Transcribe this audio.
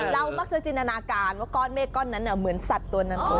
เรามักจะจินตนาการว่าก้อนเมฆก้อนนั้นเหมือนสัตว์ตัวนั้น